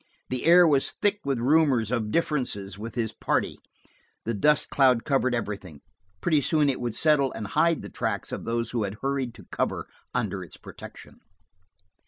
The air was thick with rumors of differences with his party: the dust cloud covered everything; pretty soon it would settle and hide the tracks of those who had hurried to cover under its protection.